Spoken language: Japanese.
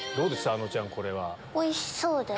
あのちゃんこれは。